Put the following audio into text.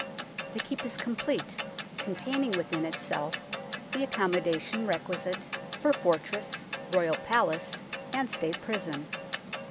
The Keep is complete, containing within itself the accommodation requisite for fortress, Royal palace, and State prison.